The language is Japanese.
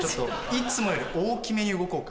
いつもより大きめに動こうか。